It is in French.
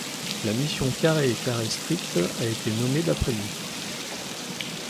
La mission Carey et Carey Street a été nommé d'après lui.